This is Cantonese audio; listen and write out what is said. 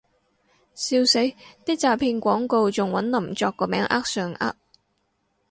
笑死，啲詐騙廣告仲搵林作個名呃上呃